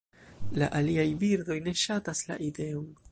La aliaj birdoj ne ŝatas la ideon.